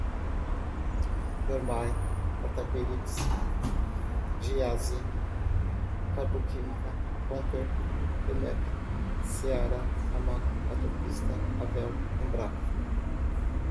Mormaii, Portabilis, Giassi, Carboquímica, Comper, Femepe, Seara, Amanco, Autopista, Avell, Embraco